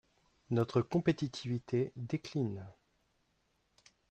Notre compétitivité décline.